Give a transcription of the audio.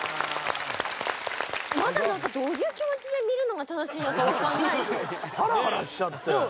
まだ、どういう気持ちで見るのが正しいのかわからない。